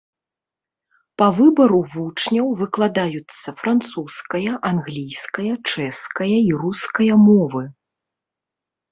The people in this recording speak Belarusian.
Па выбару вучняў выкладаюцца французская, англійская, чэшская і руская мовы.